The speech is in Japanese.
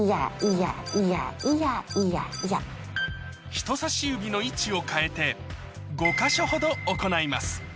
人さし指の位置を変えて５か所ほど行います